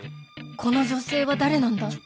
この女性は誰なんだ